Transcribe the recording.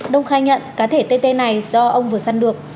đông khai nhận cá thể tê tê này do ông vừa săn được